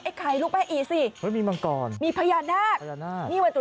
ไข่ลูกแม่อีสิเฮ้ยมีมังกรมีพญานาคพญานาคนี่วัตถุ